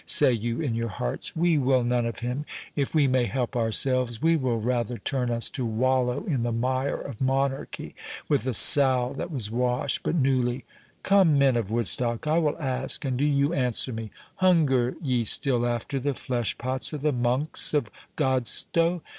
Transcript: say you in your hearts; 'we will none of him; if we may help ourselves, we will rather turn us to wallow in the mire of monarchy, with the sow that was washed but newly.' Come, men of Woodstock, I will ask, and do you answer me. Hunger ye still after the flesh pots of the monks of Godstow?